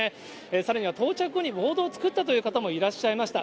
さらには到着後にボードを作ったという方もいらっしゃいました。